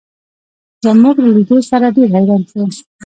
زموږ له لیدو سره ډېر حیران شو.